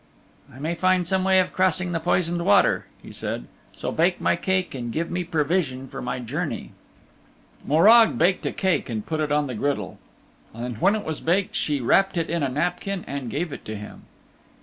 "I may find some way of crossing the poisoned water," he said, "so bake my cake and give me provision for my journey." Morag baked a cake and put it on the griddle. And when it was baked she wrapped it in a napkin and gave it to him.